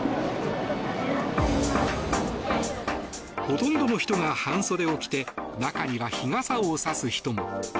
ほとんどの人が半袖を着て中には日傘を差す人も。